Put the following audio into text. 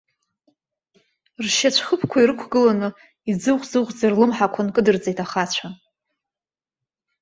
Ршьацәхыԥқәа ирықәгыланы, иӡыӷә-ӡыӷәӡа рлымҳақәа нкыдырҵеит ахацәа.